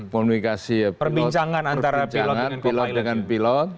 komunikasi pilot perbincangan pilot dengan pilot